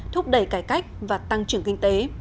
thúc đẩy cải cách và tăng trưởng kinh tế